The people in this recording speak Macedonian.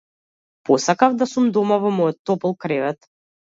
Посакав да сум дома во мојот топол кревет.